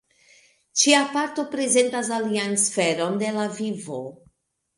Ĉia parto prezentas alian sferon de la vivo.